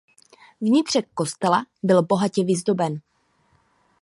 Vnitřek kostela byl bohatě vyzdoben.